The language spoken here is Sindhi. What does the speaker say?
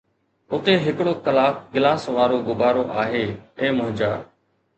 اتي ھڪڙو ڪلاڪ گلاس وارو غبارو آھي، اي منهنجا